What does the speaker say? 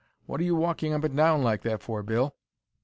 What are you walking up and down like that for, Bill?